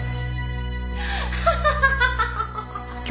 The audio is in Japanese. ハハハハハ！